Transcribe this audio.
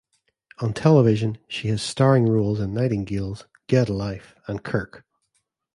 On television, she has starring roles in "Nightingales", "Get a Life" and "Kirk".